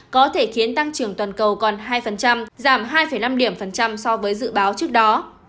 có thể khiến tăng trưởng toàn cầu còn hai giảm hai năm điểm phần trăm so với dự báo trước đó